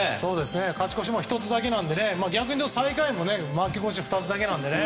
勝ち越しも１つだけなので逆に最下位も負け越し２つだけなのでね。